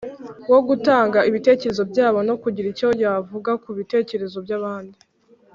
wo gutanga ibitekerezo byabo no kugira icyo yavuga ku bitekerezo by’abandi.